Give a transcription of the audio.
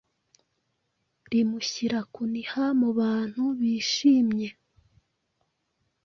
rimushyira kuniha mubantu bishimye.